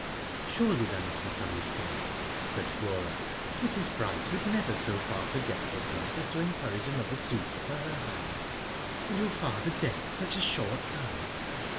"Surely there must be some mistake," said Flora. "Mrs. Bryce would never so far forget her self as to encourage another suitor for her hand, and your father dead such a short time."